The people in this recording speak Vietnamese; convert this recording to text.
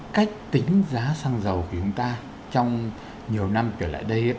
cách tính giá xăng dầu của chúng ta trong nhiều năm trở lại đây